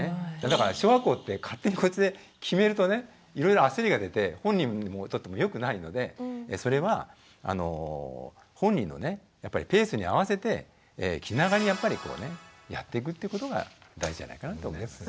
だから小学校って勝手にこっちで決めるとねいろいろ焦りが出て本人にとってもよくないのでそれは本人のねやっぱりペースに合わせて気長にやっぱりこうねやっていくってことが大事じゃないかなと思います。